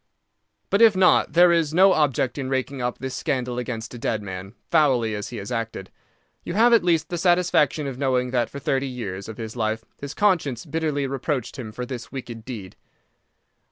"But if not, there is no object in raking up this scandal against a dead man, foully as he has acted. You have at least the satisfaction of knowing that for thirty years of his life his conscience bitterly reproached him for this wicked deed.